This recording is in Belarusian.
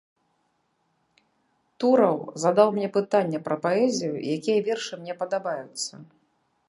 Тураў задаў мне пытанне пра паэзію, якія вершы мне падабаюцца.